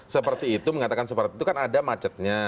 seperti itu mengatakan seperti itu kan ada macetnya